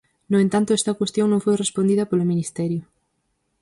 No entanto, esta cuestión non foi respondida polo Ministerio.